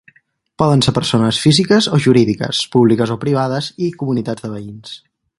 Poden ser persones físiques o jurídiques, públiques o privades, i comunitats de veïns.